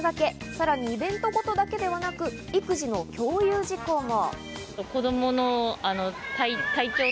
さらにイベント事だけではなく育児の共有事項も。